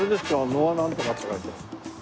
ノアなんとかって書いてある。